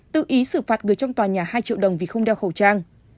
tự ý xử phạt người trong tòa nhà hai triệu đồng vì không đeo khẩu trang